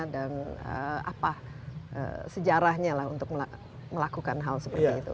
dan sejarahnya untuk melakukan hal seperti itu